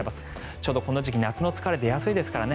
ちょうどこの時期夏の疲れが出やすいですからね。